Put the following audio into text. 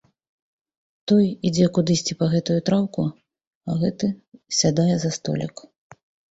Той ідзе кудысьці па гэтую траўку, а гэты сядае за столік.